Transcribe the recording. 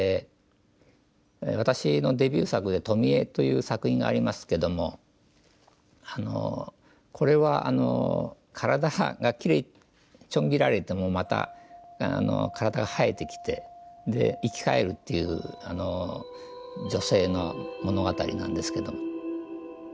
私のデビュー作で「富江」という作品がありますけどもこれは体がちょん切られてもまた体が生えてきてで生き返るっていう女性の物語なんですけど。